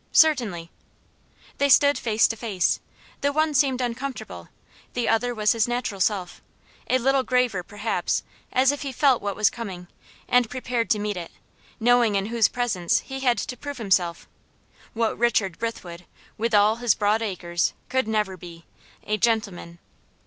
"Certainly." They stood face to face. The one seemed uncomfortable, the other was his natural self a little graver, perhaps, as if he felt what was coming, and prepared to meet it, knowing in whose presence he had to prove himself what Richard Brithwood, with all his broad acres, could never be a gentleman.